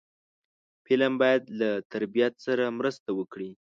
فلم باید له تربیت سره مرسته وکړي